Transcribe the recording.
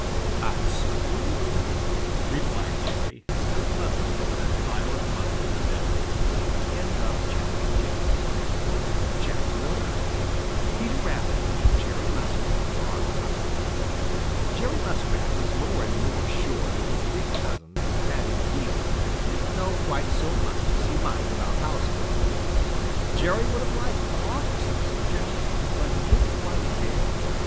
"I certainly will," replied Jerry, still puzzling over that pile of mud in the middle. XI PETER RABBIT AND JERRY MUSKRAT ARE PUZZLED Jerry Muskrat was more and more sure that his big cousin, Paddy the Beaver, didn't know quite so much as he might about house building. Jerry would have liked to offer some suggestions, but he didn't quite dare.